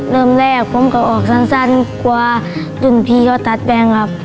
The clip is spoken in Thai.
เริ่มแรกผมก็ออกสั้นกลัวรุ่นพี่เขาตัดแป้งครับ